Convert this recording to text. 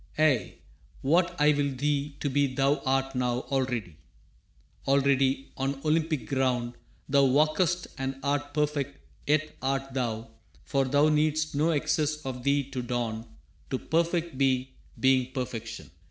Ay, what I will thee to be thou art now Already. Already on Olympic ground Thou walkest and art perfect, yet art thou, For thou needst no excess of thee to don To perfect be, being perfection.